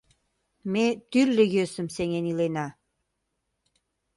Ме тӱрлӧ йӧсым сеҥен илена.